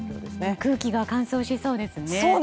空気が乾燥しそうですね。